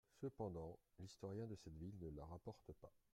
Cependant l'historien de cette ville ne la rapporte pas.